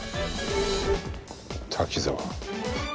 滝沢